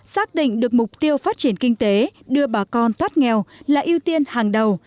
xác định được mục tiêu phát triển kinh tế đưa bà con thoát nghèo là ưu tiên hàng đầu